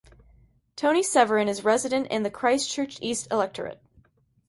Toni Severin is resident in the Christchurch East electorate.